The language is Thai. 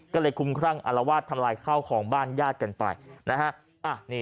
ก็เลยคุ้มครั่งอารวาสทำลายข้าวของบ้านญาติกันไปนะฮะ